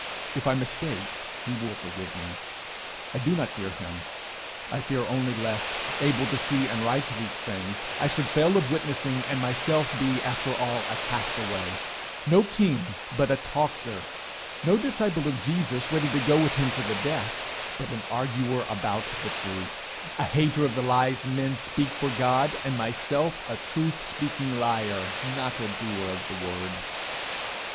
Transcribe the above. If I mistake, he will forgive me. I do not fear him; I fear only lest, able to see and write these things, I should fail of witnessing, and myself be, after all, a castaway no king, but a talker; no disciple of Jesus, ready to go with him to the death, but an arguer about the truth; a hater of the lies men speak for God, and myself a truth speaking liar, not a doer of the word.